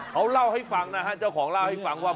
เขาเล่าให้ฟังนะฮะเจ้าของเล่าให้ฟังว่า